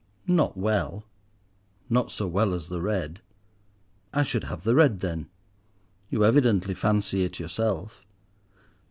"Not well—not so well as with red." "I should have the red then. You evidently fancy it yourself."